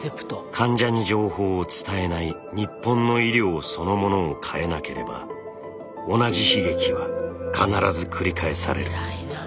患者に情報を伝えない日本の医療そのものを変えなければ同じ悲劇は必ず繰り返される。